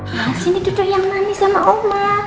nah sini duduk yang manis sama oma